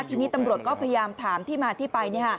ทีนี้ตำรวจก็พยายามถามที่มาที่ไป